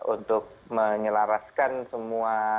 untuk menyelaraskan semua